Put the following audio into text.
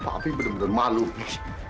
pak pi bener bener malu pi